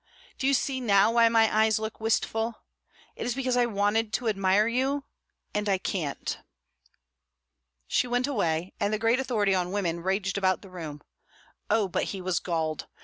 Do you see now why my eyes look wistful? It is because I wanted to admire you, and I can't." She went away, and the great authority on women raged about the room. Oh, but he was galled!